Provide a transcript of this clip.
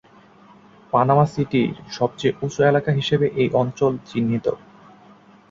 Panama সিটির সবচেয়ে উঁচু এলাকা হিসেবে এই অঞ্চল চিহ্নিত।